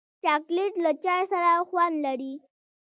چاکلېټ له چای سره خوند لري.